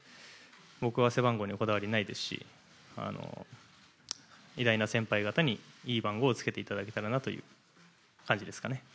僕は背番号にこだわりはないですし偉大な先輩方にいい番号をつけていただけらなという感じですかね。